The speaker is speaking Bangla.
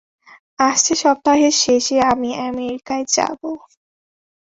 আসছে সপ্তাহের শেষে আমি আমেরিকায় যাব।